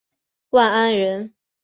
万安人。